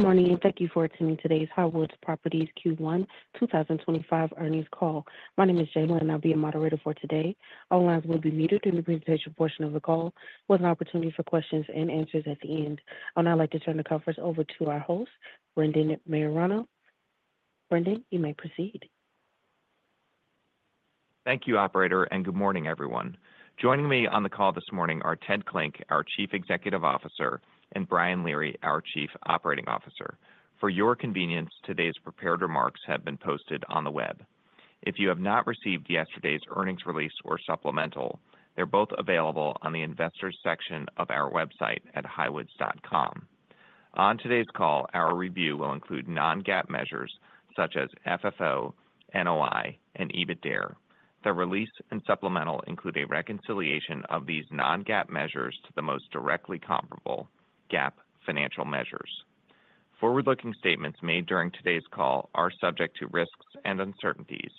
Good morning, and thank you for attending today's Highwoods Properties Q1 2025 earnings call. My name is Jayla, and I'll be your moderator for today. All lines will be muted during the presentation portion of the call, with an opportunity for questions and answers at the end. I'd now like to turn the conference over to our host, Brendan Maiorana. Brendan, you may proceed. Thank you, Operator, and good morning, everyone. Joining me on the call this morning are Ted Klinck, our Chief Executive Officer, and Brian Leary, our Chief Operating Officer. For your convenience, today's prepared remarks have been posted on the web. If you have not received yesterday's earnings release or supplemental, they are both available on the investors' section of our website at highwoods.com. On today's call, our review will include non-GAAP measures such as FFO, NOI, and EBITDA. The release and supplemental include a reconciliation of these non-GAAP measures to the most directly comparable GAAP financial measures. Forward-looking statements made during today's call are subject to risks and uncertainties.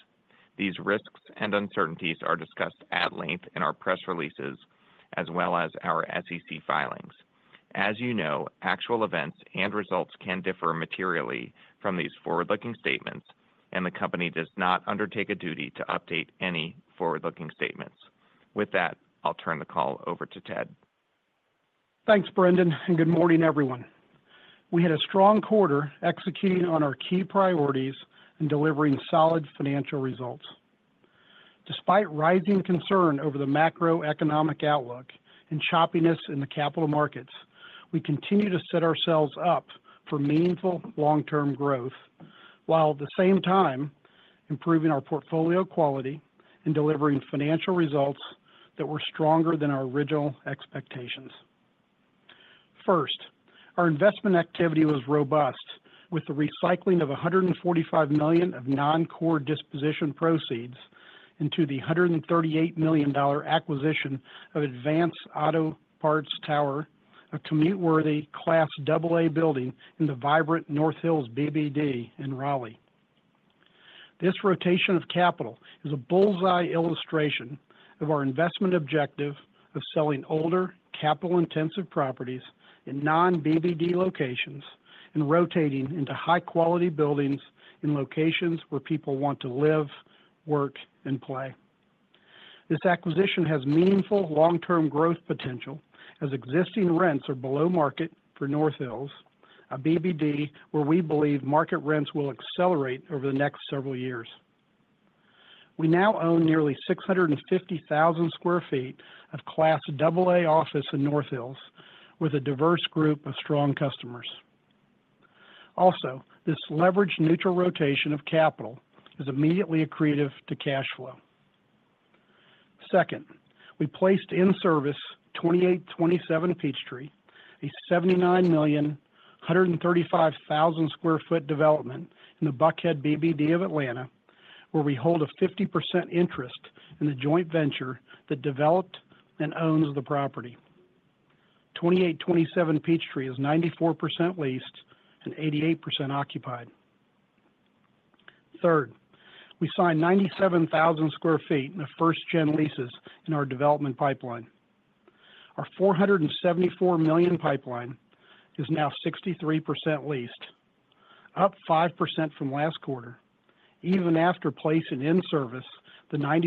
These risks and uncertainties are discussed at length in our press releases, as well as our SEC filings. As you know, actual events and results can differ materially from these forward-looking statements, and the company does not undertake a duty to update any forward-looking statements. With that, I'll turn the call over to Ted. Thanks, Brendan, and good morning, everyone. We had a strong quarter executing on our key priorities and delivering solid financial results. Despite rising concern over the macroeconomic outlook and choppiness in the capital markets, we continue to set ourselves up for meaningful long-term growth while at the same time improving our portfolio quality and delivering financial results that were stronger than our original expectations. First, our investment activity was robust, with the recycling of $145 million of non-core disposition proceeds into the $138 million acquisition of Advance Auto Parts Tower, a commute-worthy Class AA building in the vibrant North Hills BBD in Raleigh. This rotation of capital is a bullseye illustration of our investment objective of selling older, capital-intensive properties in non-BBD locations and rotating into high-quality buildings in locations where people want to live, work, and play. This acquisition has meaningful long-term growth potential as existing rents are below market for North Hills, a BBD where we believe market rents will accelerate over the next several years. We now own nearly 650,000 sq ft of Class AA office in North Hills, with a diverse group of strong customers. Also, this leverage-neutral rotation of capital is immediately accretive to cash flow. Second, we placed in service 2827 Peachtree, a $79,135,000 sq ft development in the Buckhead BBD of Atlanta, where we hold a 50% interest in the joint venture that developed and owns the property. 2827 Peachtree is 94% leased and 88% occupied. Third, we signed 97,000 sq ft in first-gen leases in our development pipeline. Our $474 million pipeline is now 63% leased, up 5% from last quarter, even after placing in service the 94%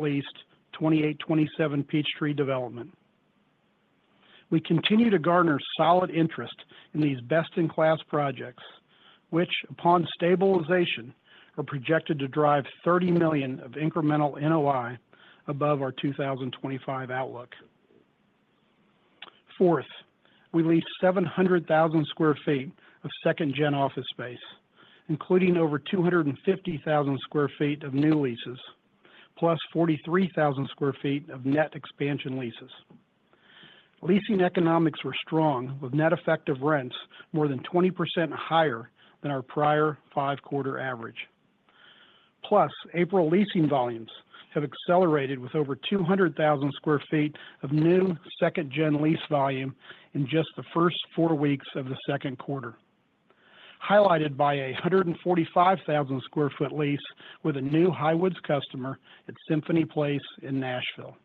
leased 2827 Peachtree development. We continue to garner solid interest in these best-in-class projects, which, upon stabilization, are projected to drive $30 million of incremental NOI above our 2025 outlook. Fourth, we leased 700,000 sq ft of second-gen office space, including over 250,000 sq ft of new leases, plus 43,000 sq ft of net expansion leases. Leasing economics were strong, with net effective rents more than 20% higher than our prior five-quarter average. Plus, April leasing volumes have accelerated with over 200,000 sq ft of new second-gen lease volume in just the first four weeks of the Q2, highlighted by a 145,000 sq ft lease with a new Highwoods customer at Symphony Place in Nashville.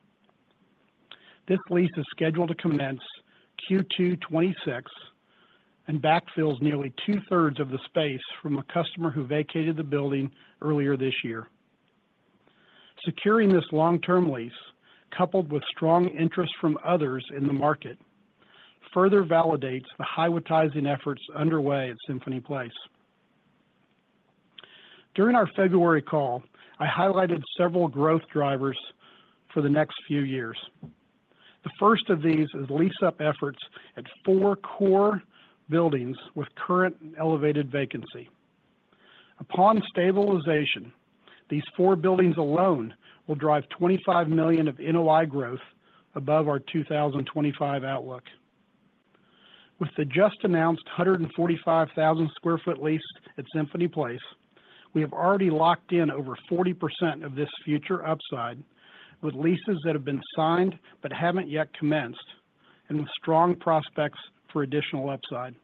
This lease is scheduled to commence Q2 2026 and backfills nearly two-thirds of the space from a customer who vacated the building earlier this year. Securing this long-term lease, coupled with strong interest from others in the market, further validates the Highwoodizing efforts underway at Symphony Place. During our February call, I highlighted several growth drivers for the next few years. The first of these is lease-up efforts at four core buildings with current and elevated vacancy. Upon stabilization, these four buildings alone will drive $25 million of NOI growth above our 2025 outlook. With the just-announced 145,000 sq ft lease at Symphony Place, we have already locked in over 40% of this future upside with leases that have been signed but have not yet commenced and with strong prospects for additional upside.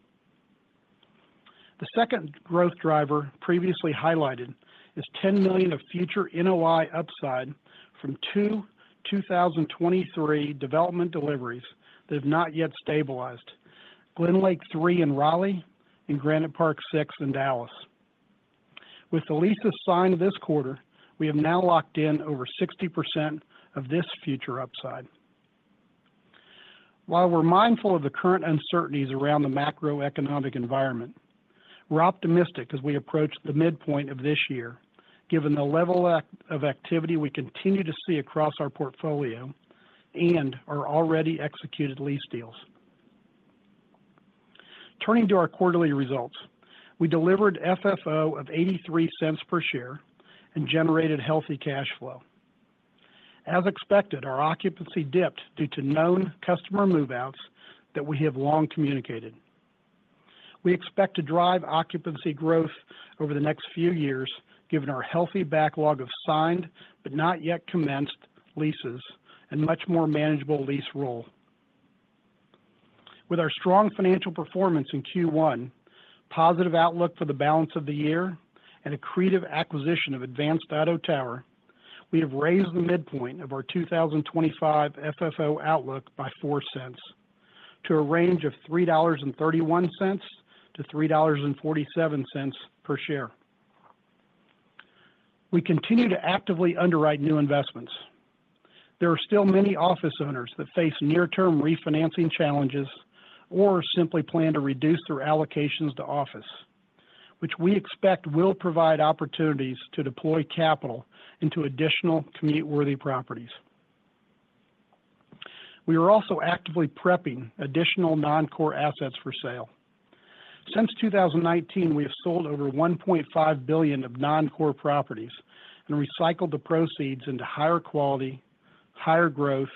The second growth driver previously highlighted is $10 million of future NOI upside from two 2023 development deliveries that have not yet stabilized: GlenLake III in Raleigh and Granite Park VI in Dallas. With the leases signed this quarter, we have now locked in over 60% of this future upside. While we're mindful of the current uncertainties around the macroeconomic environment, we're optimistic as we approach the midpoint of this year, given the level of activity we continue to see across our portfolio and our already executed lease deals. Turning to our quarterly results, we delivered FFO of $0.83 per share and generated healthy cash flow. As expected, our occupancy dipped due to known customer move-outs that we have long communicated. We expect to drive occupancy growth over the next few years, given our healthy backlog of signed but not yet commenced leases and much more manageable lease roll. With our strong financial performance in Q1, positive outlook for the balance of the year, and accretive acquisition of Advance Auto Tower, we have raised the midpoint of our 2025 FFO outlook by $0.04 to a range of $3.31-$3.47 per share. We continue to actively underwrite new investments. There are still many office owners that face near-term refinancing challenges or simply plan to reduce their allocations to office, which we expect will provide opportunities to deploy capital into additional commute-worthy properties. We are also actively prepping additional non-core assets for sale. Since 2019, we have sold over $1.5 billion of non-core properties and recycled the proceeds into higher quality, higher growth,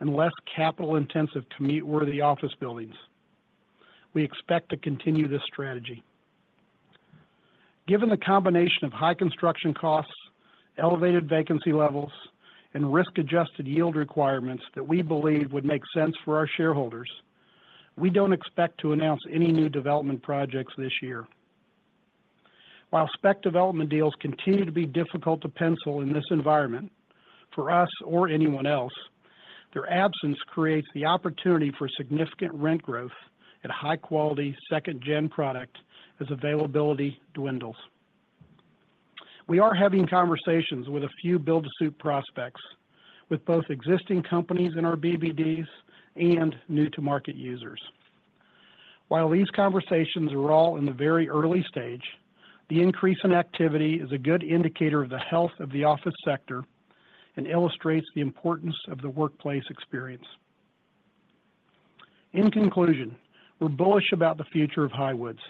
and less capital-intensive commute-worthy office buildings. We expect to continue this strategy. Given the combination of high construction costs, elevated vacancy levels, and risk-adjusted yield requirements that we believe would make sense for our shareholders, we don't expect to announce any new development projects this year. While spec development deals continue to be difficult to pencil in this environment, for us or anyone else, their absence creates the opportunity for significant rent growth at a high-quality second-gen product as availability dwindles. We are having conversations with a few build-to-suit prospects, with both existing companies in our BBDs and new-to-market users. While these conversations are all in the very early stage, the increase in activity is a good indicator of the health of the office sector and illustrates the importance of the workplace experience. In conclusion, we're bullish about the future of Highwoods.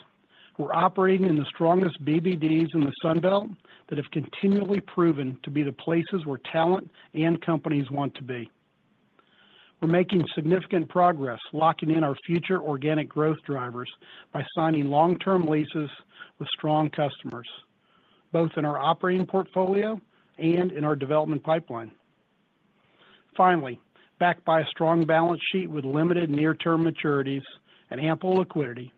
We're operating in the strongest BBDs in the Sunbelt that have continually proven to be the places where talent and companies want to be. We're making significant progress locking in our future organic growth drivers by signing long-term leases with strong customers, both in our operating portfolio and in our development pipeline. Finally, backed by a strong balance sheet with limited near-term maturities and ample liquidity,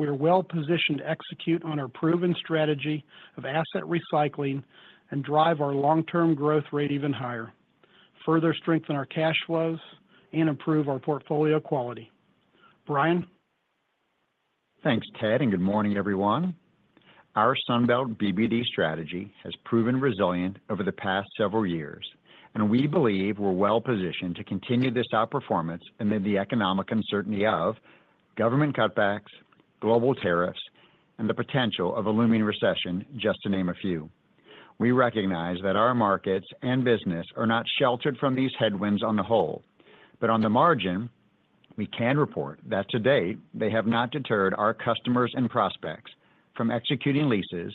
we are well-positioned to execute on our proven strategy of asset recycling and drive our long-term growth rate even higher, further strengthen our cash flows, and improve our portfolio quality. Brian? Thanks, Ted, and good morning, everyone. Our Sunbelt BBD strategy has proven resilient over the past several years, and we believe we're well-positioned to continue this outperformance amid the economic uncertainty of government cutbacks, global tariffs, and the potential of a looming recession, just to name a few. We recognize that our markets and business are not sheltered from these headwinds on the whole, but on the margin, we can report that to date they have not deterred our customers and prospects from executing leases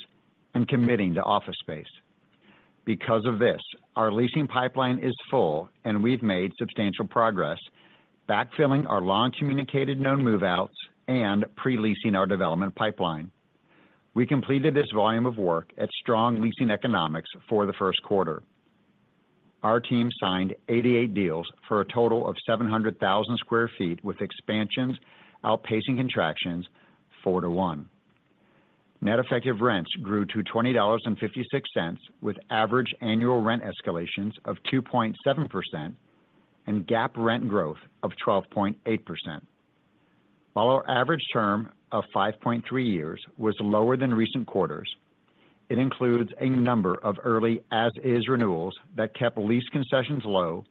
and committing to office space. Because of this, our leasing pipeline is full, and we've made substantial progress backfilling our long-communicated known move-outs and pre-leasing our development pipeline. We completed this volume of work at strong leasing economics for the Q1. Our team signed 88 deals for a total of 700,000 sq ft with expansions outpacing contractions four to one. Net effective rents grew to $20.56 with average annual rent escalations of 2.7% and GAAP rent growth of 12.8%. While our average term of 5.3 years was lower than recent quarters, it includes a number of early as-is renewals that kept lease concessions low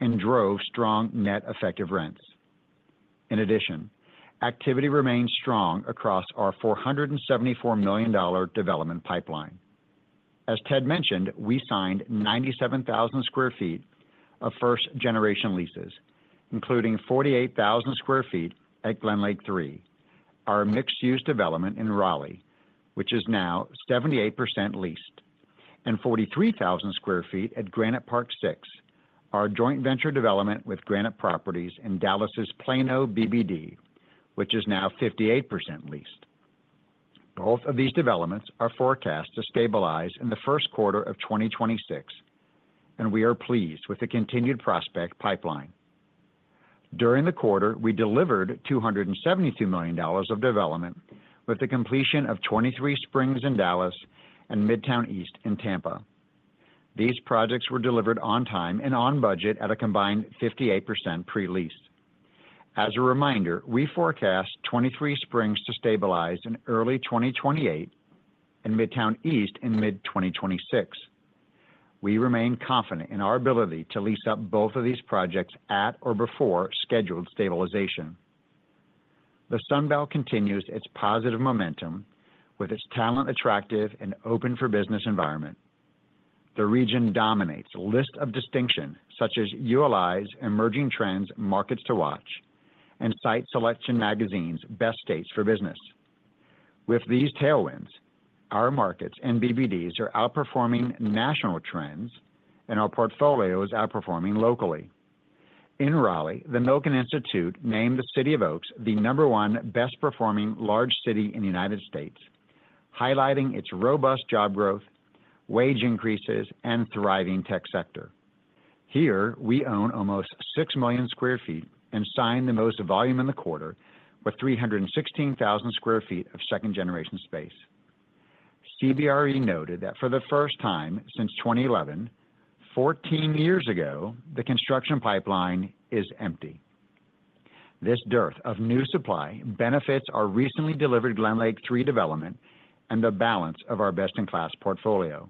and drove strong net effective rents. In addition, activity remained strong across our $474 million development pipeline. As Ted mentioned, we signed 97,000 sq ft of first-generation leases, including 48,000 sq ft at GlenLake III, our mixed-use development in Raleigh, which is now 78% leased, and 43,000 sq ft at Granite Park 6, our joint venture development with Granite Properties in Dallas's Plano BBD, which is now 58% leased. Both of these developments are forecast to stabilize in the Q1 of 2026, and we are pleased with the continued prospect pipeline. During the quarter, we delivered $272 million of development with the completion of 23 Springs in Dallas and Midtown East in Tampa. These projects were delivered on time and on budget at a combined 58% pre-lease. As a reminder, we forecast 23 Springs to stabilize in early 2028 and Midtown East in mid-2026. We remain confident in our ability to lease up both of these projects at or before scheduled stabilization. The Sunbelt continues its positive momentum with its talent-attractive and open-for-business environment. The region dominates a list of distinctions such as ULI's Emerging Trends: Markets to Watch and Site Selection Magazine's Best States for Business. With these tailwinds, our markets and BBDs are outperforming national trends, and our portfolio is outperforming locally. In Raleigh, the Milken Institute named the City of Oaks the number one best-performing large city in the United States, highlighting its robust job growth, wage increases, and thriving tech sector. Here, we own almost 6 million sq ft and signed the most volume in the quarter with 316,000 sq ft of second-generation space. CBRE noted that for the first time since 2011, 14 years ago, the construction pipeline is empty. This dearth of new supply benefits our recently delivered Glenlake 3 development and the balance of our best-in-class portfolio.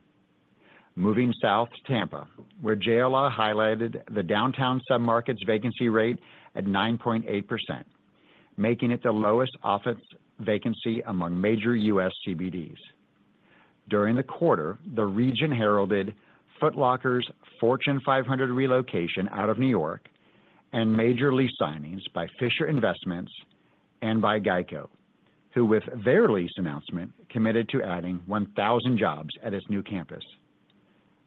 Moving south to Tampa, where JLL highlighted the downtown submarket's vacancy rate at 9.8%, making it the lowest office vacancy among major U.S. CBDs. During the quarter, the region heralded Foot Locker's Fortune 500 relocation out of New York and major lease signings by Fisher Investments and by Geico, who, with their lease announcement, committed to adding 1,000 jobs at its new campus.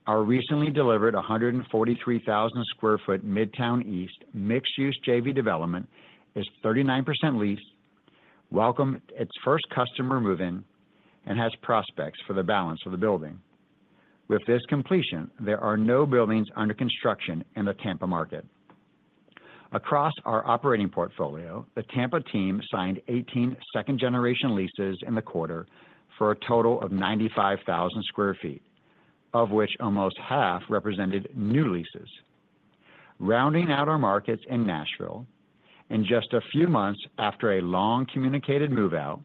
Our recently delivered 143,000 sq ft Midtown East mixed-use JV development is 39% leased, welcomed its first customer move-in, and has prospects for the balance of the building. With this completion, there are no buildings under construction in the Tampa market. Across our operating portfolio, the Tampa team signed 18 second-generation leases in the quarter for a total of 95,000 sq ft, of which almost half represented new leases. Rounding out our markets in Nashville, in just a few months after a long-communicated move-out,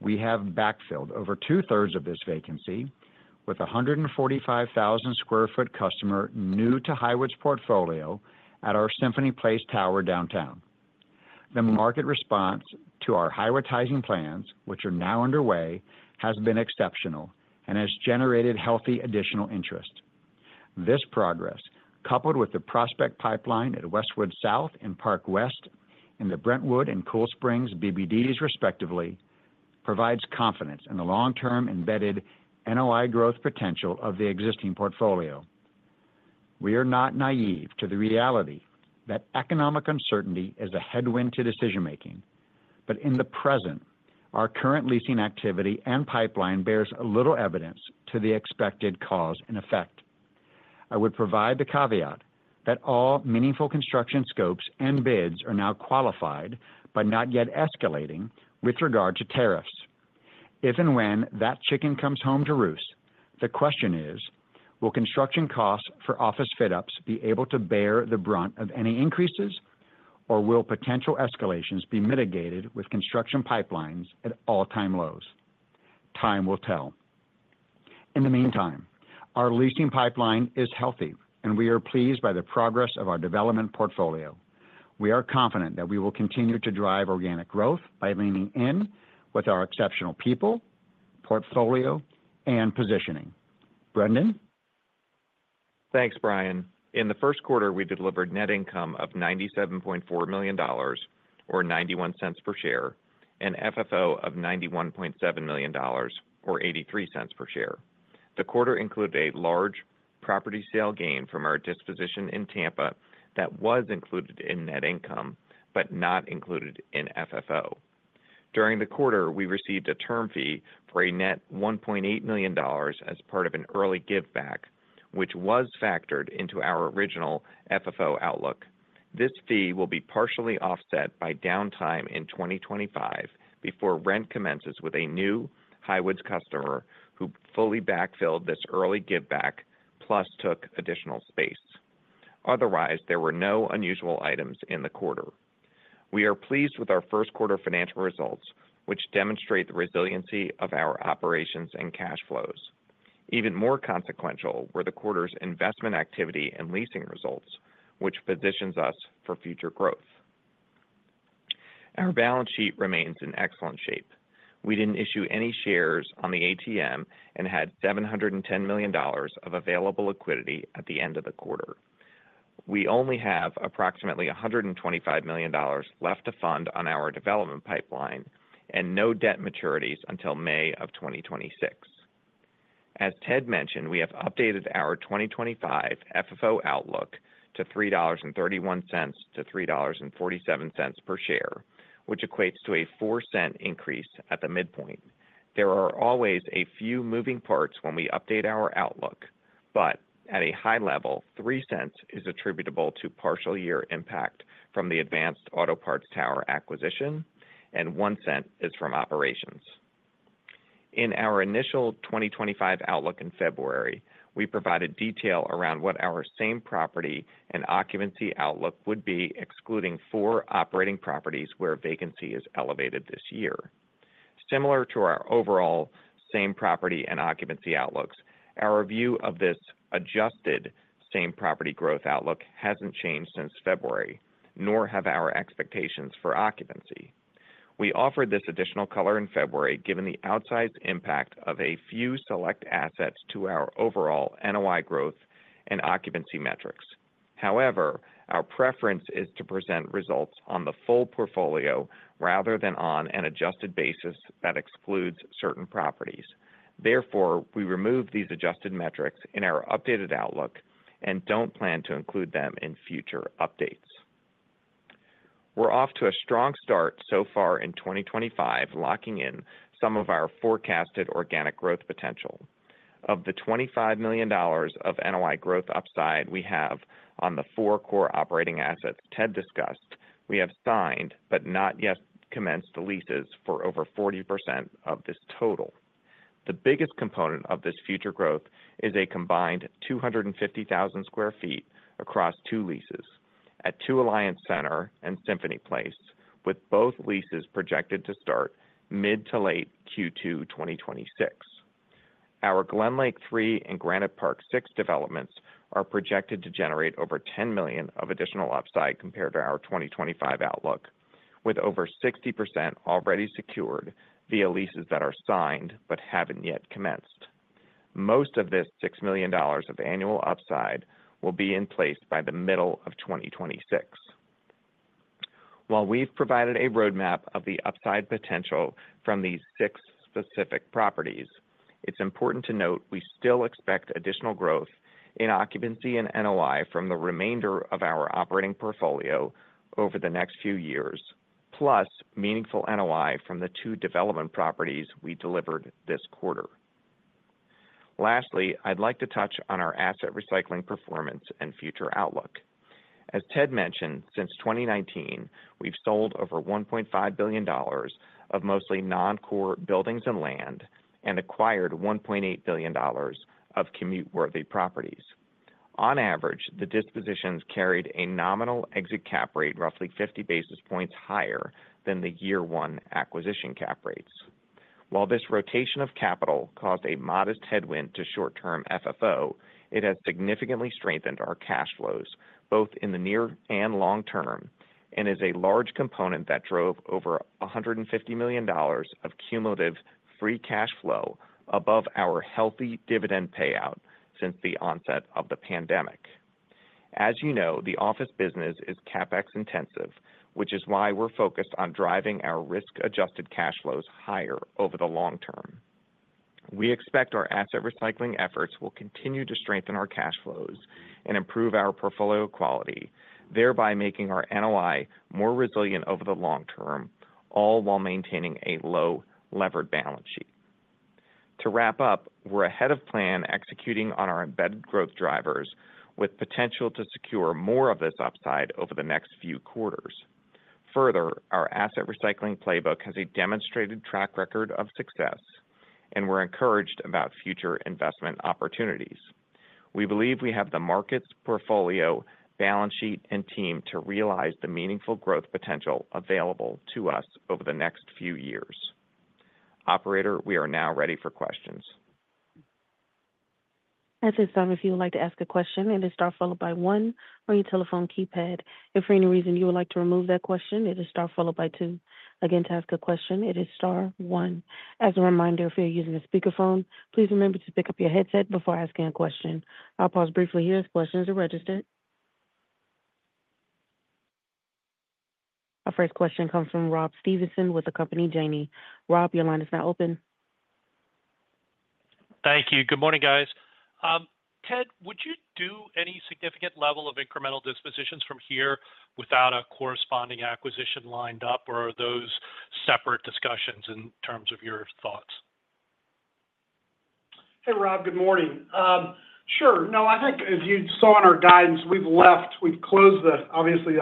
we have backfilled over two-thirds of this vacancy with a 145,000 sq ft customer new to Highwoods Properties' portfolio at our Symphony Place Tower downtown. The market response to our highwoodizing plans, which are now underway, has been exceptional and has generated healthy additional interest. This progress, coupled with the prospect pipeline at Westwood South and Park West in the Brentwood and Cool Springs BBDs, respectively, provides confidence in the long-term embedded NOI growth potential of the existing portfolio. We are not naive to the reality that economic uncertainty is a headwind to decision-making, but in the present, our current leasing activity and pipeline bears little evidence to the expected cause and effect. I would provide the caveat that all meaningful construction scopes and bids are now qualified but not yet escalating with regard to tariffs. If and when that chicken comes home to roost, the question is, will construction costs for office fit-ups be able to bear the brunt of any increases, or will potential escalations be mitigated with construction pipelines at all-time lows? Time will tell. In the meantime, our leasing pipeline is healthy, and we are pleased by the progress of our development portfolio. We are confident that we will continue to drive organic growth by leaning in with our exceptional people, portfolio, and positioning. Brendan? Thanks, Brian. In the Q1, we delivered net income of $97.4 million or $0.91 per share and FFO of $91.7 million or $0.83 per share. The quarter included a large property sale gain from our disposeition in Tampa that was included in net income but not included in FFO. During the quarter, we received a term fee for a net $1.8 million as part of an early give-back, which was factored into our original FFO outlook. This fee will be partially offset by downtime in 2025 before rent commences with a new Highwoods customer who fully backfilled this early give-back plus took additional space. Otherwise, there were no unusual items in the quarter. We are pleased with our Q1 financial results, which demonstrate the resiliency of our operations and cash flows. Even more consequential were the quarter's investment activity and leasing results, which positions us for future growth. Our balance sheet remains in excellent shape. We did not issue any shares on the ATM and had $710 million of available liquidity at the end of the quarter. We only have approximately $125 million left to fund on our development pipeline and no debt maturities until May of 2026. As Ted mentioned, we have updated our 2025 FFO outlook to $3.31-$3.47 per share, which equates to a 4-cent increase at the midpoint. There are always a few moving parts when we update our outlook, but at a high level, 3 cents is attributable to partial year impact from the Advance Auto Parts tower acquisition, and 1 cent is from operations. In our initial 2025 outlook in February, we provided detail around what our same property and occupancy outlook would be, excluding four operating properties where vacancy is elevated this year. Similar to our overall same property and occupancy outlooks, our view of this adjusted same property growth outlook has not changed since February, nor have our expectations for occupancy. We offered this additional color in February given the outsized impact of a few select assets to our overall NOI growth and occupancy metrics. However, our preference is to present results on the full portfolio rather than on an adjusted basis that excludes certain properties. Therefore, we removed these adjusted metrics in our updated outlook and do not plan to include them in future updates. We are off to a strong start so far in 2025, locking in some of our forecasted organic growth potential. Of the $25 million of NOI growth upside we have on the four core operating assets Ted discussed, we have signed but not yet commenced the leases for over 40% of this total. The biggest component of this future growth is a combined 250,000 sq ft across two leases at Two Alliance Center and Symphony Place, with both leases projected to start mid to late Q2 2026. Our Glenlake 3 and Granite Park 6 developments are projected to generate over $10 million of additional upside compared to our 2025 outlook, with over 60% already secured via leases that are signed but have not yet commenced. Most of this $6 million of annual upside will be in place by the middle of 2026. While we have provided a roadmap of the upside potential from these six specific properties, it is important to note we still expect additional growth in occupancy and NOI from the remainder of our operating portfolio over the next few years, plus meaningful NOI from the two development properties we delivered this quarter. Lastly, I'd like to touch on our asset recycling performance and future outlook. As Ted mentioned, since 2019, we've sold over $1.5 billion of mostly non-core buildings and land and acquired $1.8 billion of commute-worthy properties. On average, the dispositions carried a nominal exit cap rate roughly 50 basis points higher than the year-one acquisition cap rates. While this rotation of capital caused a modest headwind to short-term FFO, it has significantly strengthened our cash flows both in the near and long term and is a large component that drove over $150 million of cumulative free cash flow above our healthy dividend payout since the onset of the pandemic. As you know, the office business is CapEx intensive, which is why we're focused on driving our risk-adjusted cash flows higher over the long term. We expect our asset recycling efforts will continue to strengthen our cash flows and improve our portfolio quality, thereby making our NOI more resilient over the long term, all while maintaining a low levered balance sheet. To wrap up, we're ahead of plan executing on our embedded growth drivers with potential to secure more of this upside over the next few quarters. Further, our asset recycling playbook has a demonstrated track record of success, and we're encouraged about future investment opportunities. We believe we have the markets, portfolio, balance sheet, and team to realize the meaningful growth potential available to us over the next few years. Operator, we are now ready for questions. At this time, if you would like to ask a question, it is star followed by one on your telephone keypad. If for any reason you would like to remove that question, it is star followed by two. Again, to ask a question, it is star one. As a reminder, if you're using a speakerphone, please remember to pick up your headset before asking a question. I'll pause briefly here as questions are registered. Our first question comes from Rob Stevenson with the company Jefferies. Rob, your line is now open. Thank you. Good morning, guys. Ted, would you do any significant level of incremental dispositions from here without a corresponding acquisition lined up, or are those separate discussions in terms of your thoughts? Hey, Rob, good morning. Sure. No, I think, as you saw in our guidance, we've closed the, obviously,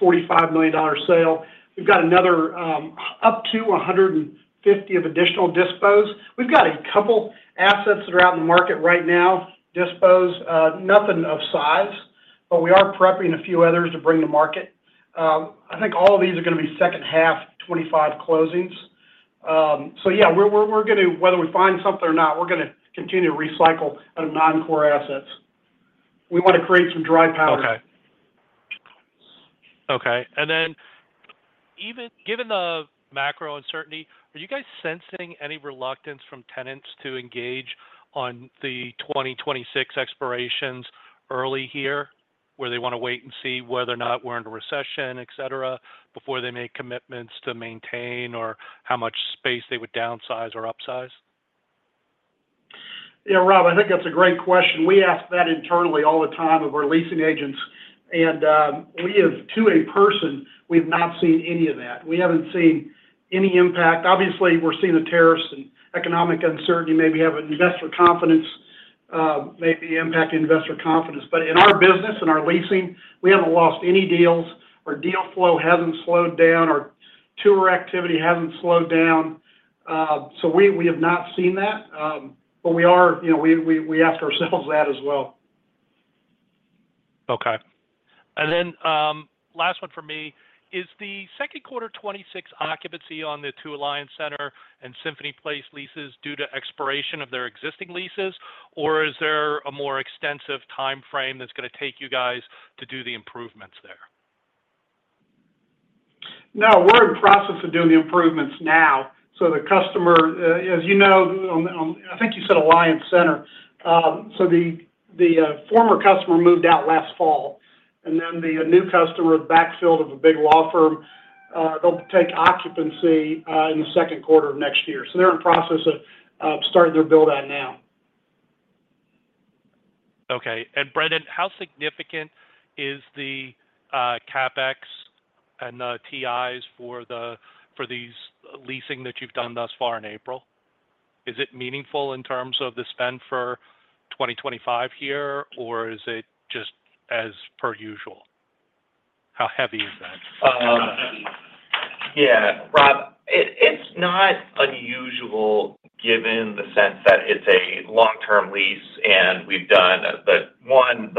$145 million sale. We've got another up to $150 million of additional disposee. We've got a couple assets that are out in the market right now, dispose, nothing of size, but we are prepping a few others to bring to market. I think all of these are going to be second half 2025 closings. Yeah, we're going to, whether we find something or not, we're going to continue to recycle out of non-core assets. We want to create some dry power. Okay. Okay. Even given the macro uncertainty, are you guys sensing any reluctance from tenants to engage on the 2026 expirations early here, where they want to wait and see whether or not we're in a recession, etc., before they make commitments to maintain or how much space they would downsize or upsize? Yeah, Rob, I think that's a great question. We ask that internally all the time of our leasing agents. We have, to a person, we've not seen any of that. We haven't seen any impact. Obviously, we're seeing the tariffs and economic uncertainty maybe have an investor confidence, maybe impacting investor confidence. In our business, in our leasing, we haven't lost any deals. Our deal flow hasn't slowed down. Our tour activity hasn't slowed down. We have not seen that, but we ask ourselves that as well. Okay. Last one for me: is the Q2 2026 occupancy on the Two Alliance Center and Symphony Place leases due to expiration of their existing leases, or is there a more extensive timeframe that's going to take you guys to do the improvements there? No, we're in the process of doing the improvements now. The customer, as you know, I think you said Two Alliance Center. The former customer moved out last fall, and then the new customer, backfilled of a big law firm, they'll take occupancy in the Q2 of next year. They're in the process of starting their build-out now. Okay. Brendan, how significant is the CapEx and the TIs for these leasing that you've done thus far in April? Is it meaningful in terms of the spend for 2025 here, or is it just as per usual? How heavy is that? Yeah, Rob, it's not unusual given the sense that it's a long-term lease, and we've done the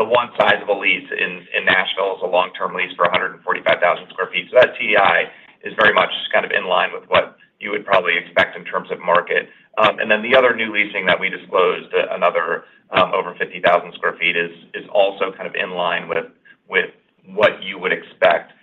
one size of a lease in Nashville is a long-term lease for 145,000 sq ft. That TI is very much kind of in line with what you would probably expect in terms of market. The other new leasing that we disclosed, another over 50,000 sq ft, is also kind of in line with what you would expect.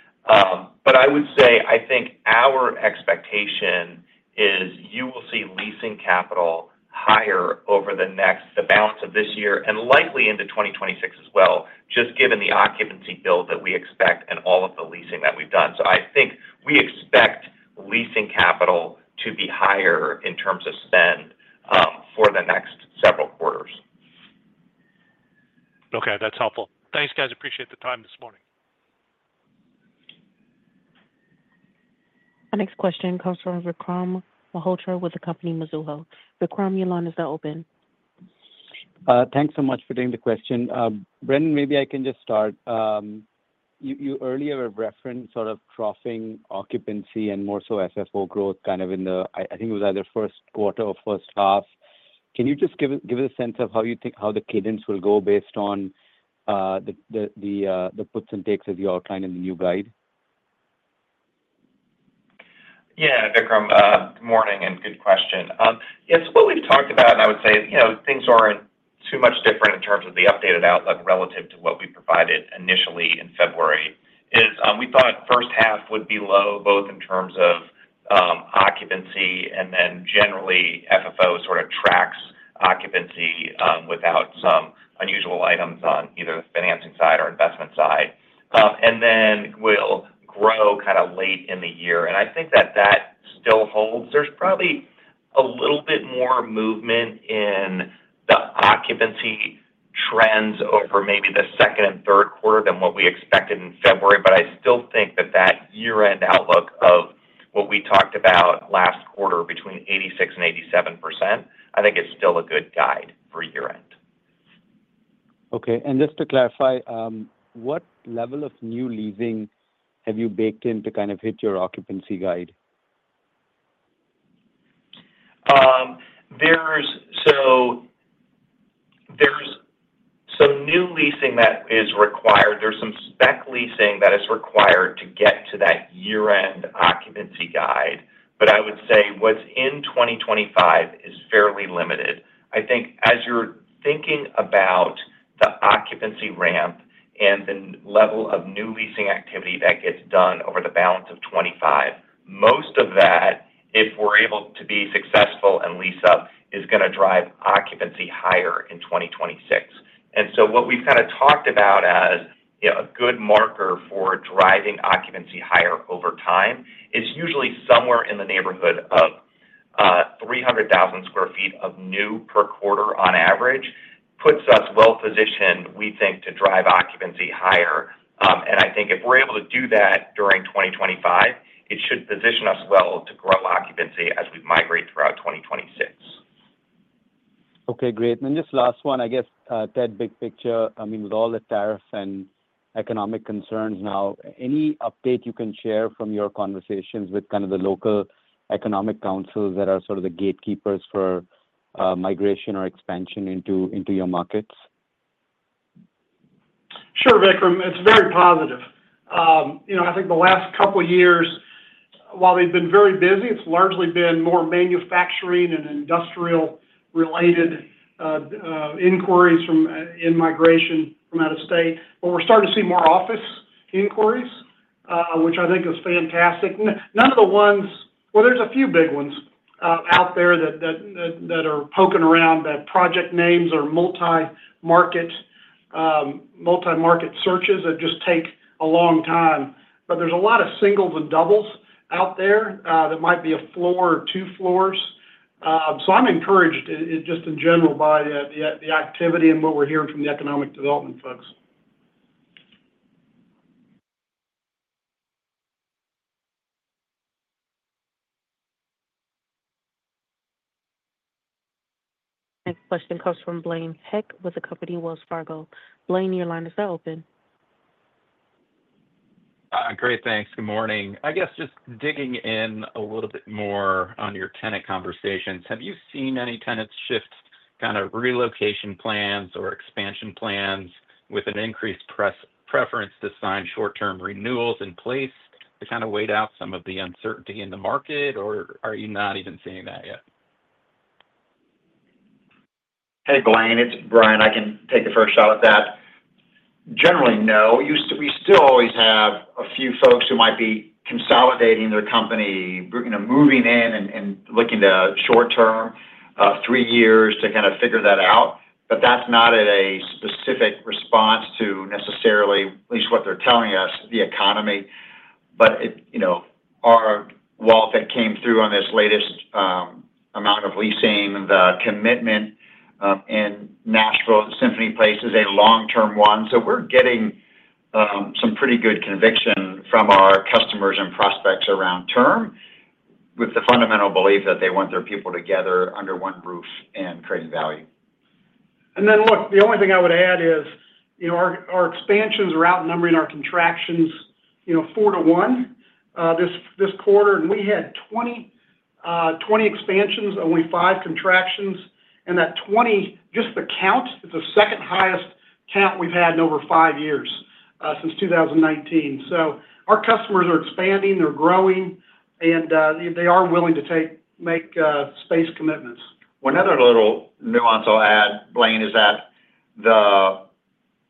I would say, I think our expectation is you will see leasing capital higher over the next balance of this year and likely into 2026 as well, just given the occupancy build that we expect and all of the leasing that we've done. I think we expect leasing capital to be higher in terms of spend for the next several quarters. Okay. That's helpful. Thanks, guys. Appreciate the time this morning. Our next question comes from Vikram Malhotra with the company Mizuho. Vikram, your line is now open. Thanks so much for doing the question. Brendan, maybe I can just start. You earlier referenced sort of troughing occupancy and more so FFO growth kind of in the, I think it was either Q1 or first half. Can you just give us a sense of how the cadence will go based on the puts and takes as you outline in the new guide? Yeah, Vikram, good morning and good question. Yes, what we've talked about, and I would say things aren't too much different in terms of the updated outlook relative to what we provided initially in February is we thought first half would be low both in terms of occupancy and then generally FFO sort of tracks occupancy without some unusual items on either the financing side or investment side. We will grow kind of late in the year. I think that that still holds. There's probably a little bit more movement in the occupancy trends over maybe the second and Q3 than what we expected in February, but I still think that that year-end outlook of what we talked about last quarter between 86% and 87%, I think it's still a good guide for year-end. Okay. Just to clarify, what level of new leasing have you baked in to kind of hit your occupancy guide? New leasing that is required, there's some spec leasing that is required to get to that year-end occupancy guide, but I would say what's in 2025 is fairly limited. I think as you're thinking about the occupancy ramp and the level of new leasing activity that gets done over the balance of 2025, most of that, if we're able to be successful and lease up, is going to drive occupancy higher in 2026. What we've kind of talked about as a good marker for driving occupancy higher over time is usually somewhere in the neighborhood of 300,000 sq ft of new per quarter on average puts us well positioned, we think, to drive occupancy higher. I think if we're able to do that during 2025, it should position us well to grow occupancy as we migrate throughout 2026. Okay, great. Then just last one, I guess, Ted, big picture, I mean, with all the tariffs and economic concerns now, any update you can share from your conversations with kind of the local economic councils that are sort of the gatekeepers for migration or expansion into your markets? Sure, Vikram. It's very positive. I think the last couple of years, while they've been very busy, it's largely been more manufacturing and industrial-related inquiries in migration from out of state. We're starting to see more office inquiries, which I think is fantastic. None of the ones—there's a few big ones out there that are poking around that project names are multi-market searches that just take a long time. There's a lot of singles and doubles out there that might be a floor or two floors. I'm encouraged just in general by the activity and what we're hearing from the economic development folks. Next question comes from Blaine Heck with the company Wells Fargo. Blaine, your line is now open. Great. Thanks. Good morning. I guess just digging in a little bit more on your tenant conversations, have you seen any tenants shift kind of relocation plans or expansion plans with an increased preference to sign short-term renewals in place to kind of wait out some of the uncertainty in the market, or are you not even seeing that yet? Hey, Blaine, it's Brian. I can take the first shot at that. Generally, no. We still always have a few folks who might be consolidating their company, moving in and looking to short-term three years to kind of figure that out. That is not a specific response to necessarily, at least what they're telling us, the economy. Our wall that came through on this latest amount of leasing, the commitment in Nashville, Symphony Place is a long-term one. We are getting some pretty good conviction from our customers and prospects around term with the fundamental belief that they want their people together under one roof and creating value. Look, the only thing I would add is our expansions are outnumbering our contractions four to one this quarter. We had 20 expansions, only five contractions. That 20, just the count, is the second highest count we have had in over five years since 2019. Our customers are expanding, they are growing, and they are willing to make space commitments. One other little nuance I'll add, Blaine, is that the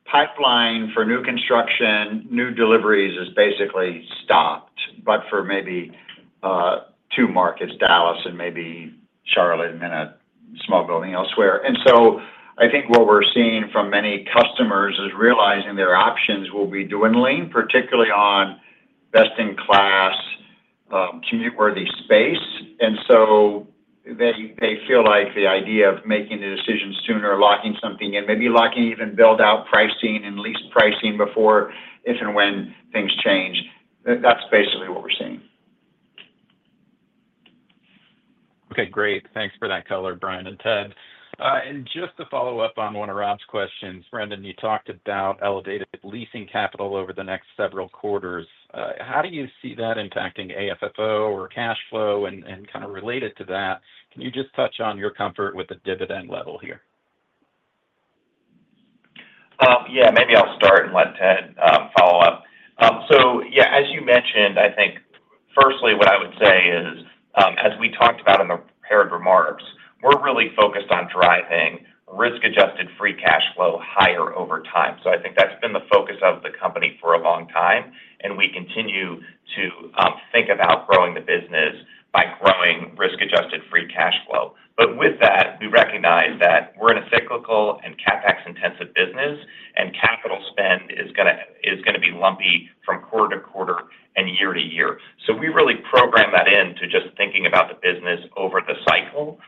pipeline for new construction, new deliveries is basically stopped, but for maybe two markets, Dallas and maybe Charlotte and then a small building elsewhere. I think what we're seeing from many customers is realizing their options will be dwindling, particularly on best-in-class commute-worthy space. They feel like the idea of making the decision sooner, locking something in, maybe locking even build-out pricing and lease pricing before if and when things change. That's basically what we're seeing. Okay. Great. Thanks for that color, Brian and Ted. Just to follow up on one of Rob's questions, Brendan, you talked about elevated leasing capital over the next several quarters. How do you see that impacting AFFO or cash flow and kind of related to that? Can you just touch on your comfort with the dividend level here? Yeah, maybe I'll start and let Ted follow up. Yeah, as you mentioned, I think firstly what I would say is, as we talked about in the prepared remarks, we're really focused on driving risk-adjusted free cash flow higher over time. I think that's been the focus of the company for a long time. We continue to think about growing the business by growing risk-adjusted free cash flow. With that, we recognize that we're in a cyclical and CapEx-intensive business, and capital spend is going to be lumpy from quarter to quarter and year to year. We really program that into just thinking about the business over the cycle.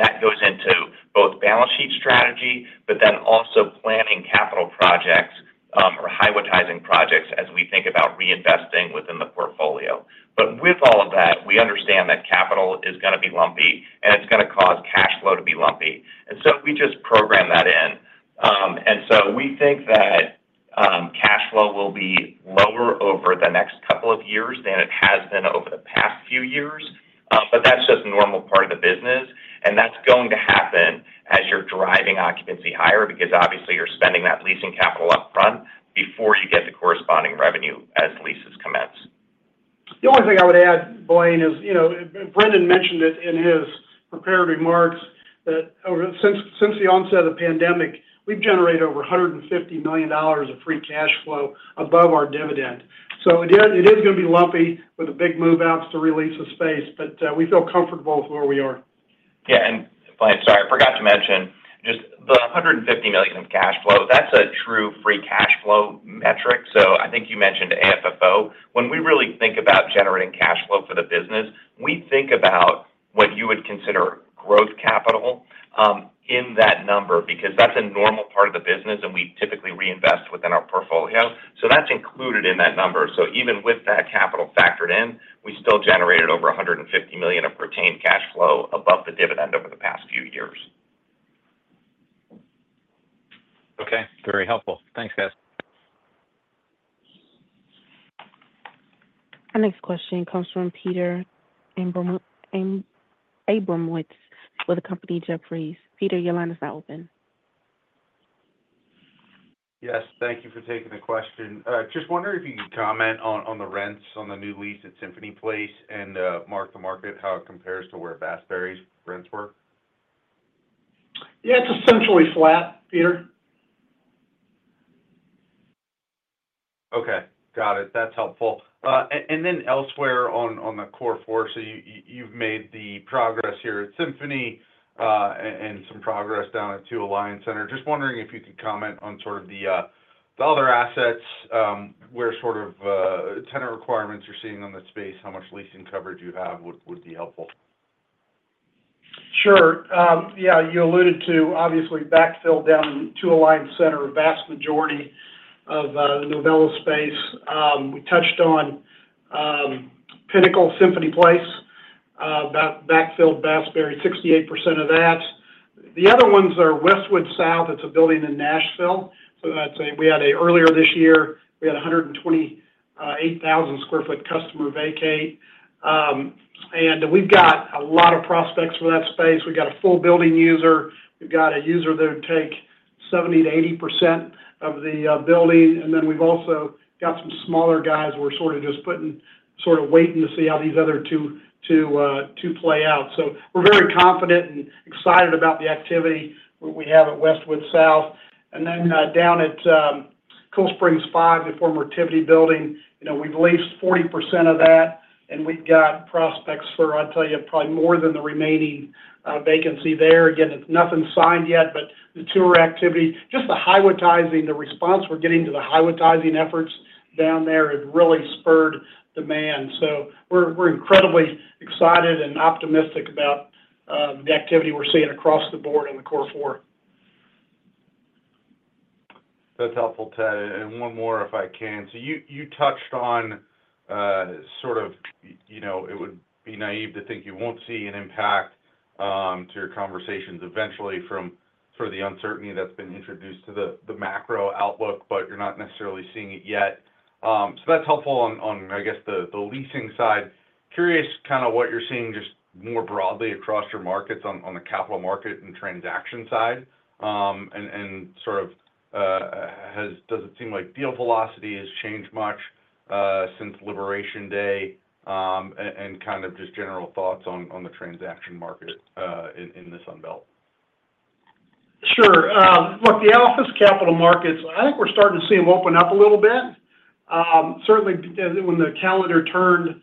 That goes into both balance sheet strategy, but then also planning capital projects or hypothesizing projects as we think about reinvesting within the portfolio. With all of that, we understand that capital is going to be lumpy, and it's going to cause cash flow to be lumpy. We just program that in. We think that cash flow will be lower over the next couple of years than it has been over the past few years. That's just a normal part of the business. That's going to happen as you're driving occupancy higher because obviously you're spending that leasing capital upfront before you get the corresponding revenue as leases commence. The only thing I would add, Blaine, is Brendan mentioned it in his prepared remarks that since the onset of the pandemic, we've generated over $150 million of free cash flow above our dividend. It is going to be lumpy with the big move-outs to release the space, but we feel comfortable with where we are. Yeah. Blaine, sorry, I forgot to mention just the $150 million of cash flow, that's a true free cash flow metric. I think you mentioned AFFO. When we really think about generating cash flow for the business, we think about what you would consider growth capital in that number because that's a normal part of the business, and we typically reinvest within our portfolio. That's included in that number. Even with that capital factored in, we still generated over $150 million of retained cash flow above the dividend over the past few years. Okay. Very helpful. Thanks, guys. Our next question comes from Peter Abramowitz with Jefferies. Peter, your line is now open. Yes. Thank you for taking the question. Just wondering if you could comment on the rents on the new lease at Symphony Place and mark to market, how it compares to where Bass, Berry & Sims' rents were. Yeah, it's essentially flat, Peter. Okay. Got it. That's helpful. Elsewhere on the core four, you have made the progress here at Symphony and some progress down at Two Alliance Center. Just wondering if you could comment on sort of the other assets, where sort of tenant requirements you are seeing on the space, how much leasing coverage you have would be helpful. Sure. Yeah. You alluded to obviously backfill down in Two Alliance Center, vast majority of the Novella space. We touched on Pinnacle Symphony Place, backfilled Bass, Berry & Sims, 68% of that. The other ones are Westwood South. It's a building in Nashville. Earlier this year, we had a 128,000 sq ft customer vacate. We've got a lot of prospects for that space. We've got a full building user. We've got a user that would take 70-80% of the building. We've also got some smaller guys who are sort of just waiting to see how these other two play out. We're very confident and excited about the activity we have at Westwood South. Down at Cool Springs V, the former Tivity building, we've leased 40% of that. We've got prospects for, I'll tell you, probably more than the remaining vacancy there. Again, nothing's signed yet, but the tour activity, just the hypothesizing, the response we're getting to the hypothesizing efforts down there has really spurred demand. We are incredibly excited and optimistic about the activity we're seeing across the board on the core four. That's helpful, Ted. One more if I can. You touched on sort of it would be naive to think you won't see an impact to your conversations eventually from sort of the uncertainty that's been introduced to the macro outlook, but you're not necessarily seeing it yet. That's helpful on, I guess, the leasing side. Curious what you're seeing just more broadly across your markets on the capital market and transaction side. Does it seem like deal velocity has changed much since Liberation Day? General thoughts on the transaction market in the Sunbelt? Sure. Look, the office capital markets, I think we're starting to see them open up a little bit. Certainly, when the calendar turned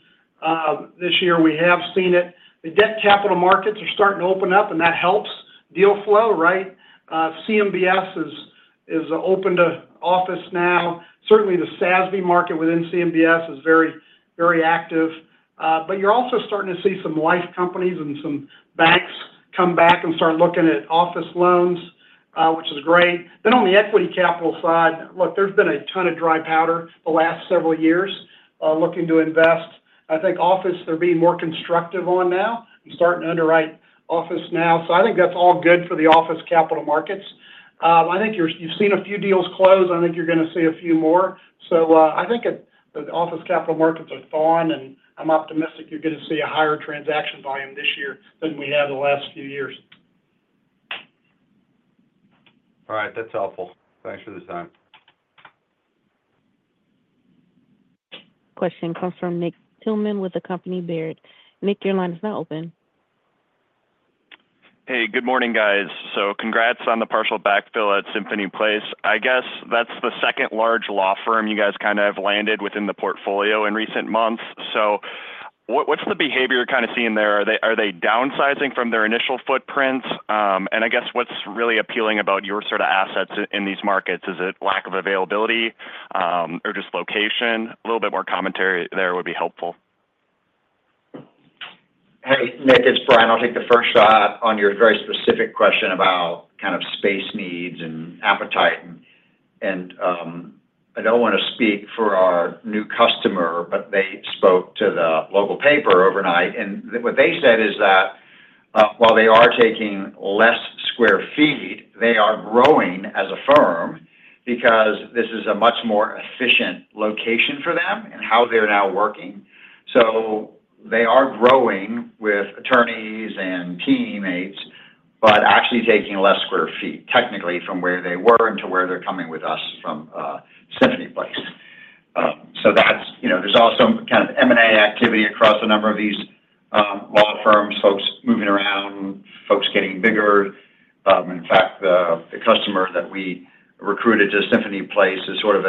this year, we have seen it. The debt capital markets are starting to open up, and that helps deal flow, right? CMBS is open to office now. Certainly, the SASB market within CMBS is very active. You're also starting to see some life companies and some banks come back and start looking at office loans, which is great. On the equity capital side, look, there's been a ton of dry powder the last several years looking to invest. I think office, they're being more constructive on now and starting to underwrite office now. I think that's all good for the office capital markets. I think you've seen a few deals close. I think you're going to see a few more. I think the office capital markets are thawing, and I'm optimistic you're going to see a higher transaction volume this year than we had the last few years. All right. That's helpful. Thanks for the time. Question comes from Nick Thillman with the company Baird. Nick, your line is now open. Hey, good morning, guys. Congrats on the partial backfill at Symphony Place. I guess that's the second large law firm you guys kind of have landed within the portfolio in recent months. What's the behavior you're kind of seeing there? Are they downsizing from their initial footprints? What's really appealing about your sort of assets in these markets? Is it lack of availability or just location? A little bit more commentary there would be helpful. Hey, Nick, it's Brian. I'll take the first shot on your very specific question about kind of space needs and appetite. I don't want to speak for our new customer, but they spoke to the local paper overnight. What they said is that while they are taking less square feet, they are growing as a firm because this is a much more efficient location for them and how they're now working. They are growing with attorneys and teammates, but actually taking less square feet technically from where they were and to where they're coming with us from Symphony Place. There is also kind of M&A activity across a number of these law firms, folks moving around, folks getting bigger. In fact, the customer that we recruited to Symphony Place is sort of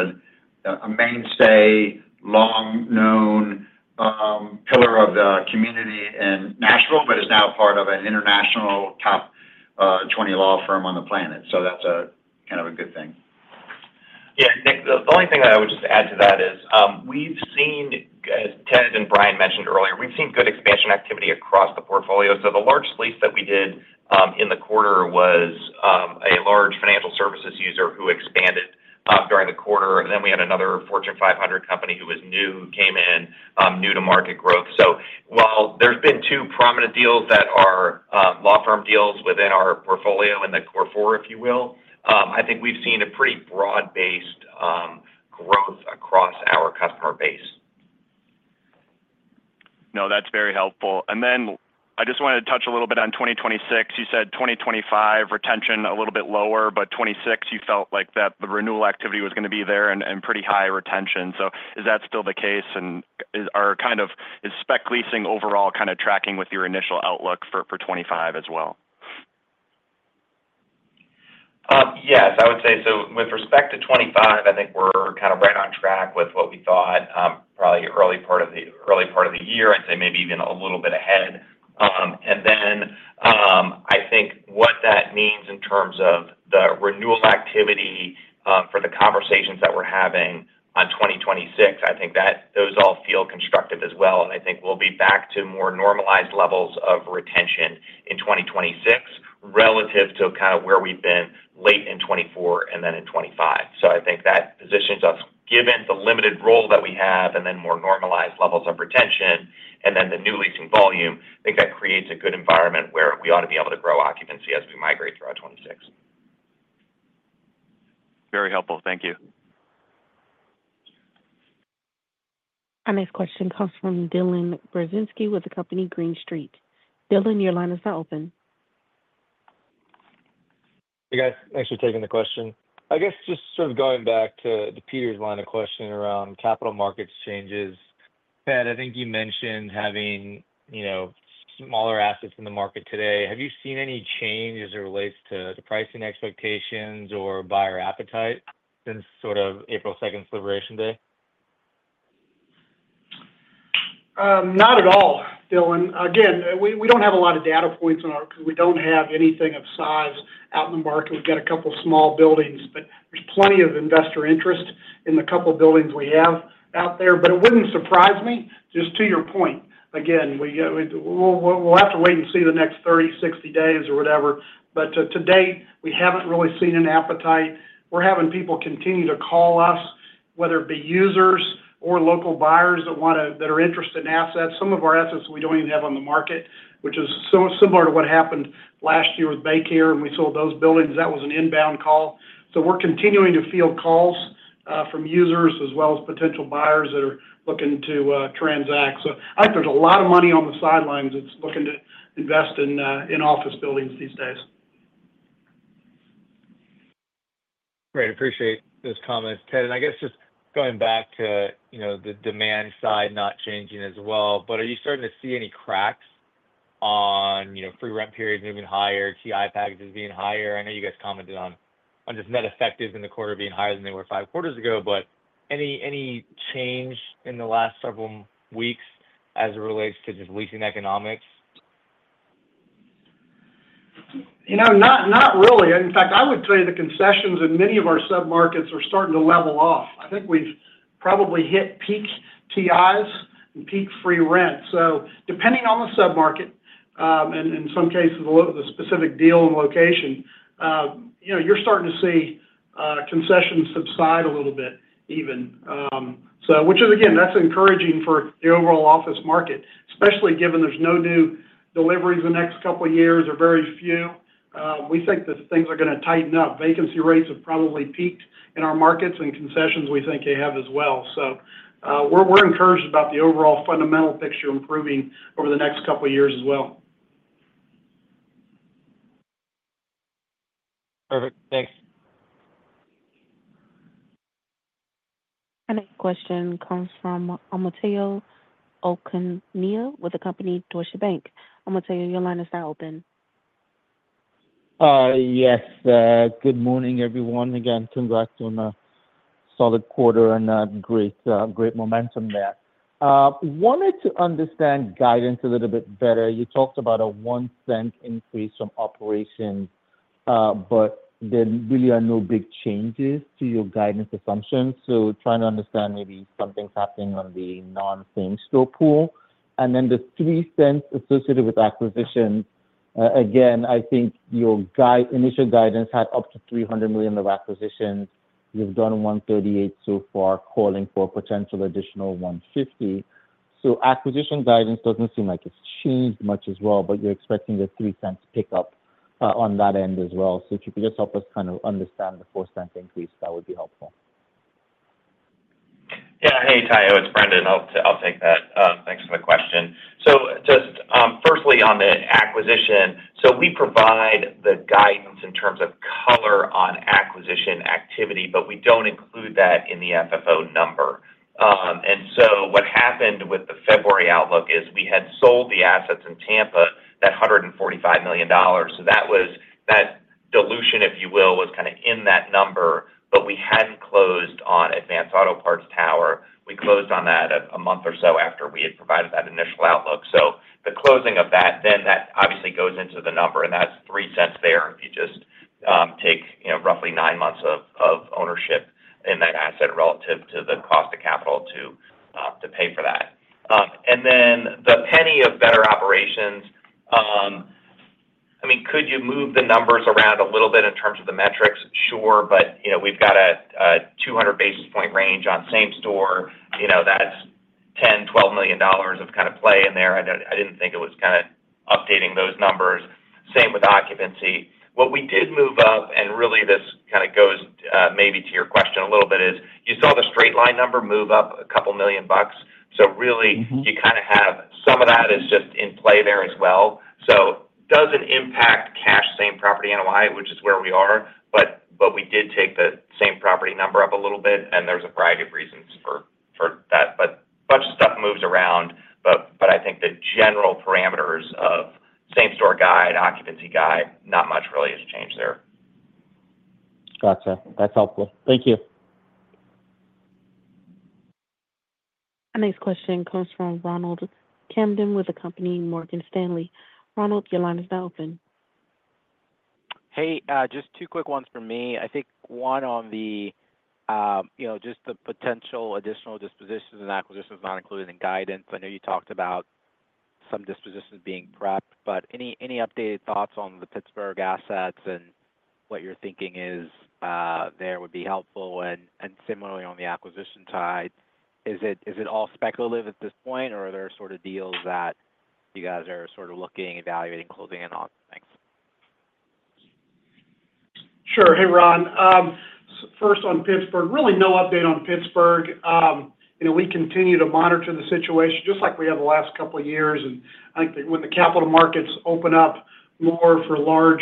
a mainstay, long-known pillar of the community in Nashville, but is now part of an international top 20 law firm on the planet. That is kind of a good thing. Yeah. Nick, the only thing I would just add to that is we've seen, as Ted and Brian mentioned earlier, we've seen good expansion activity across the portfolio. The largest lease that we did in the quarter was a large financial services user who expanded during the quarter. We had another Fortune 500 company who was new, came in, new to market growth. While there have been two prominent deals that are law firm deals within our portfolio in the core four, if you will, I think we've seen a pretty broad-based growth across our customer base. No, that's very helpful. I just wanted to touch a little bit on 2026. You said 2025 retention a little bit lower, but 2026 you felt like that the renewal activity was going to be there and pretty high retention. Is that still the case? Is kind of is spec leasing overall kind of tracking with your initial outlook for 2025 as well? Yes. I would say so with respect to 2025, I think we're kind of right on track with what we thought probably early part of the year. I'd say maybe even a little bit ahead. I think what that means in terms of the renewal activity for the conversations that we're having on 2026, I think that those all feel constructive as well. I think we'll be back to more normalized levels of retention in 2026 relative to kind of where we've been late in 2024 and then in 2025. I think that positions us, given the limited role that we have and then more normalized levels of retention and then the new leasing volume, I think that creates a good environment where we ought to be able to grow occupancy as we migrate through our 2026. Very helpful. Thank you. Our next question comes from Dylan Burzinski with the company Green Street. Dylan, your line is now open. Hey, guys. Thanks for taking the question. I guess just sort of going back to Peter's line of question around capital markets changes. Ted, I think you mentioned having smaller assets in the market today. Have you seen any change as it relates to pricing expectations or buyer appetite since sort of April 2nd's Liberation Day? Not at all, Dylan. Again, we don't have a lot of data points on our—we don't have anything of size out in the market. We've got a couple of small buildings, but there's plenty of investor interest in the couple of buildings we have out there. It wouldn't surprise me. Just to your point, again, we'll have to wait and see the next 30-60 days or whatever. To date, we haven't really seen an appetite. We're having people continue to call us, whether it be users or local buyers that are interested in assets. Some of our assets we don't even have on the market, which is similar to what happened last year with BayCare and we sold those buildings. That was an inbound call. We're continuing to field calls from users as well as potential buyers that are looking to transact. I think there's a lot of money on the sidelines that's looking to invest in office buildings these days. Great. Appreciate those comments, Ted. I guess just going back to the demand side not changing as well, but are you starting to see any cracks on free rent periods moving higher, TI packages being higher? I know you guys commented on just net effective in the quarter being higher than they were five quarters ago, but any change in the last several weeks as it relates to just leasing economics? Not really. In fact, I would say the concessions in many of our submarkets are starting to level off. I think we've probably hit peak TIs and peak free rent. Depending on the submarket and in some cases, the specific deal and location, you're starting to see concessions subside a little bit even, which is, again, that's encouraging for the overall office market, especially given there's no new deliveries the next couple of years or very few. We think that things are going to tighten up. Vacancy rates have probably peaked in our markets and concessions we think they have as well. We are encouraged about the overall fundamental picture improving over the next couple of years as well. Perfect. Thanks. Our next question comes from Omotayo Okusanya with Deutsche Bank. Omotayo, your line is now open. Yes. Good morning, everyone. Again, congrats on a solid quarter and great momentum there. Wanted to understand guidance a little bit better. You talked about a 1 cent increase from operations, but there really are no big changes to your guidance assumptions. Trying to understand maybe something's happening on the non-same store pool. The 3 cents associated with acquisitions, again, I think your initial guidance had up to $300 million of acquisitions. You've done $138 million so far, calling for potential additional $150 million. Acquisition guidance doesn't seem like it's changed much as well, but you're expecting a 3 cents pickup on that end as well. If you could just help us kind of understand the 4 cents increase, that would be helpful. Yeah. Hey, Ty. It's Brendan. I'll take that. Thanks for the question. Just firstly on the acquisition, we provide the guidance in terms of color on acquisition activity, but we do not include that in the FFO number. What happened with the February outlook is we had sold the assets in Tampa, that $145 million. That dilution, if you will, was kind of in that number, but we had not closed on Advance Auto Parts Tower. We closed on that a month or so after we had provided that initial outlook. The closing of that, then that obviously goes into the number, and that is 3 cents there if you just take roughly nine months of ownership in that asset relative to the cost of capital to pay for that. The penny of better operations, I mean, could you move the numbers around a little bit in terms of the metrics? Sure, but we've got a 200 basis point range on same store. That's $10 million-$12 million of kind of play in there. I didn't think it was kind of updating those numbers. Same with occupancy. What we did move up, and really this kind of goes maybe to your question a little bit, is you saw the straight line number move up a couple million bucks. You kind of have some of that is just in play there as well. It doesn't impact cash same property NOI, which is where we are, but we did take the same property number up a little bit, and there's a variety of reasons for that. A bunch of stuff moves around, but I think the general parameters of same store guide, occupancy guide, not much really has changed there. Gotcha. That's helpful. Thank you. Our next question comes from Ronald Kamdem with Morgan Stanley. Ronald, your line is now open. Hey, just two quick ones for me. I think one on just the potential additional dispositions and acquisitions not included in guidance. I know you talked about some dispositions being prepped, but any updated thoughts on the Pittsburgh assets and what you're thinking is there would be helpful. Similarly, on the acquisition side, is it all speculative at this point, or are there sort of deals that you guys are sort of looking, evaluating, closing in on? Thanks. Sure. Hey, Ron. First on Pittsburgh, really no update on Pittsburgh. We continue to monitor the situation just like we have the last couple of years. I think when the capital markets open up more for large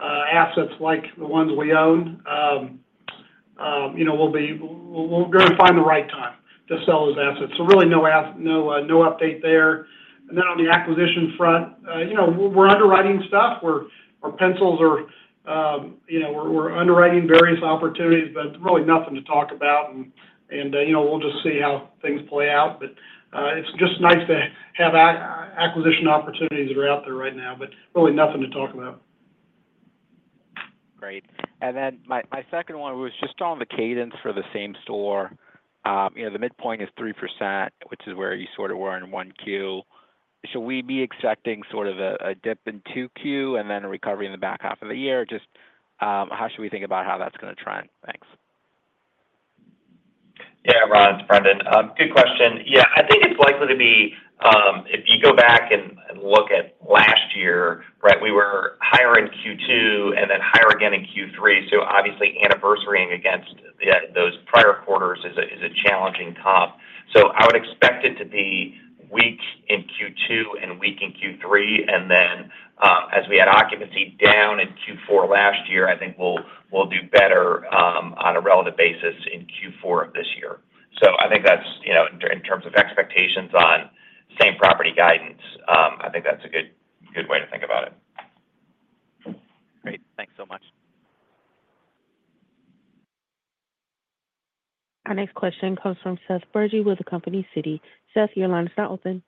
assets like the ones we own, we'll go and find the right time to sell those assets. Really no update there. On the acquisition front, we're underwriting stuff. Our pencils are we're underwriting various opportunities, but really nothing to talk about. We'll just see how things play out. It is just nice to have acquisition opportunities that are out there right now, but really nothing to talk about. Great. My second one was just on the cadence for the same store. The midpoint is 3%, which is where you sort of were in Q1. Should we be expecting sort of a dip in Q2 and then a recovery in the back half of the year? Just how should we think about how that's going to trend? Thanks. Yeah, Ron, it's Brendan. Good question. Yeah. I think it's likely to be if you go back and look at last year, right, we were higher in Q2 and then higher again in Q3. Obviously, anniversarying against those prior quarters is a challenging comp. I would expect it to be weak in Q2 and weak in Q3. As we had occupancy down in Q4 last year, I think we'll do better on a relative basis in Q4 of this year. I think that's in terms of expectations on same property guidance, I think that's a good way to think about it. Great. Thanks so much. Our next question comes from Seth Bergy with Citi. Seth, your line is now open.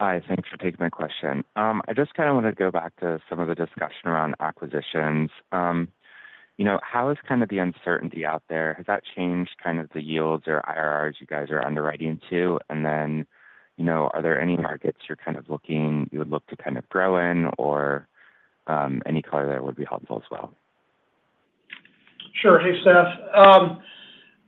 Hi. Thanks for taking my question. I just kind of want to go back to some of the discussion around acquisitions. How is kind of the uncertainty out there? Has that changed kind of the yields or IRRs you guys are underwriting to? Are there any markets you're kind of looking you would look to kind of grow in or any color there would be helpful as well? Sure. Hey, Seth.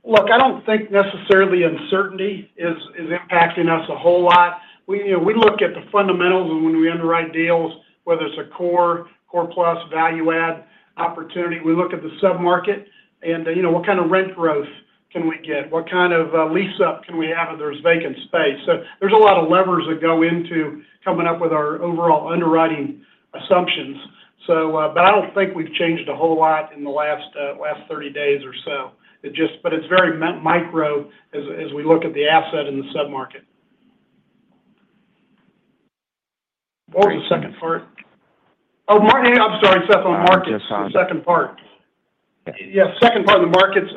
Look, I do not think necessarily uncertainty is impacting us a whole lot. We look at the fundamentals when we underwrite deals, whether it is a core, core plus, value-add opportunity. We look at the submarket and what kind of rent growth can we get? What kind of lease-up can we have if there is vacant space? There are a lot of levers that go into coming up with our overall underwriting assumptions. I do not think we have changed a whole lot in the last 30 days or so. It is very micro as we look at the asset in the submarket. What was the second part? Oh, I am sorry, Seth, on markets. The second part. Yes, second part of the markets.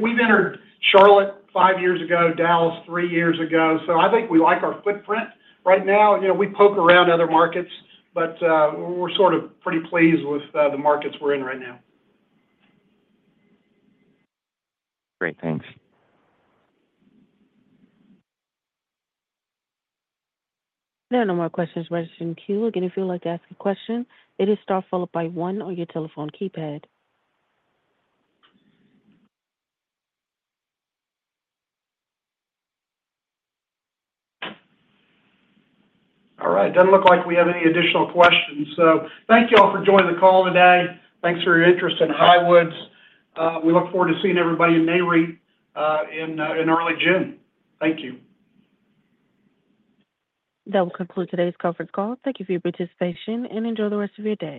We have entered Charlotte five years ago, Dallas three years ago. I think we like our footprint right now. We poke around other markets, but we're sort of pretty pleased with the markets we're in right now. Great. Thanks. There are no more questions registered in Q. Again, if you would like to ask a question, it is star followed by one on your telephone keypad. All right. Doesn't look like we have any additional questions. Thank you all for joining the call today. Thanks for your interest in Highwoods. We look forward to seeing everybody in Nareit in early June. Thank you. That will conclude today's conference call. Thank you for your participation and enjoy the rest of your day.